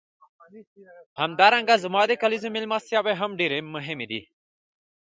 همدارنګه زما د کلیزو میلمستیاوې هم ډېرې مهمې دي.